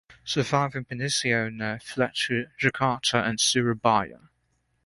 Surviving pinisi owner fled to Jakarta and Surabaya.